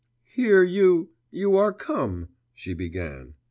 'Here you ... you are come,' she began....